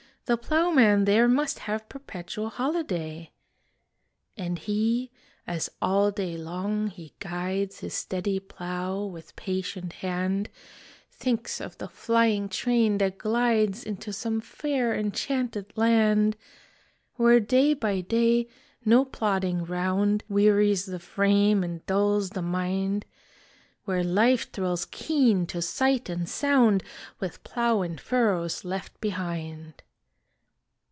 the ploughman there Must have perpetual holiday! And he, as all day long he guides His steady plough with patient hand, Thinks of the flying train that glides Into some fair, enchanted land; Where day by day no plodding round Wearies the frame and dulls the mind; Where life thrills keen to sight and sound, With plough and furrows left behind!